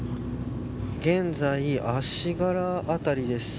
現在、足柄辺りです。